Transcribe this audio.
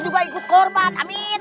terlibat hukum korban amin